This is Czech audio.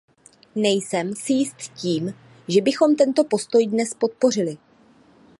Nejsem si jist tím, že bychom tento postoj dnes podpořili.